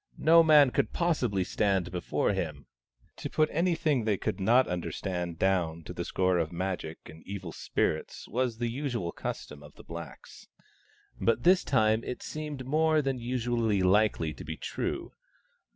No man could possibly stand before him." To put anything they could not understand down to the score of Magic and evil spirits was the usual custom of the blacks ; but this time it seemed more THE STONE AXE OF BURKAMUKK 17 than usually likely to be true.